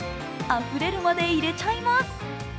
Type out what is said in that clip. あふれるまで入れちゃいます。